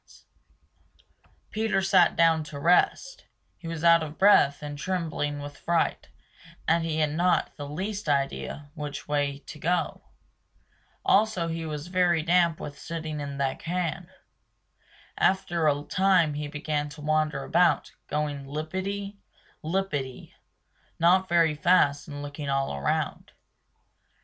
Peter sat down to rest; he was out of breath and trembling with fright, and he had not the least idea which way to go. Also he was very damp with sitting in that can. After a time he began to wander about, going lippity lippity not very fast and looking all around.